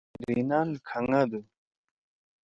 ریِنان کھَنگدُو۔